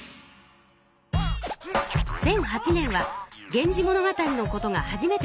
１００８年は「源氏物語」のことが初めて文書に記録された年。